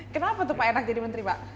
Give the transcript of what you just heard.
kenapa tuh pak enak jadi menteri pak